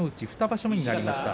２場所目になりました。